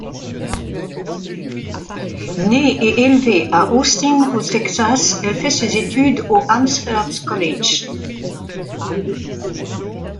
Née et élevée à Austin, au Texas, elle fait ses études au Amherst College.